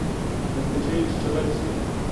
مچمچۍ چیچلای شي